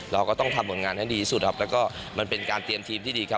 เราก็ต้องทำผลงานให้ดีสุดครับแล้วก็มันเป็นการเตรียมทีมที่ดีครับ